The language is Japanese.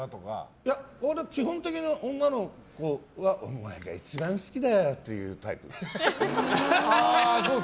いや、俺は基本的に女の子にはお前が一番好きだよって言うタイプ。